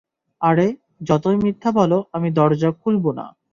আরে, যতই মিথ্যা বলো, আমি দরজা খুলব না।